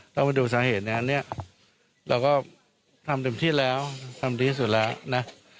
เรามาดูสาเหตุอันนี้เราก็ทำเต็มที่แล้วทำดีสุดแล้วนะ